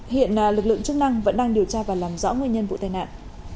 hiện lực lượng chức năng vẫn đang điều tra và làm rõ nguyên nhân vụ tai nạn